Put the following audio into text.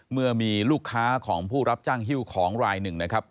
เมื่อมีลูกค้าของผู้รับจ้างฮิ้วของรายหนึ่งนะครับ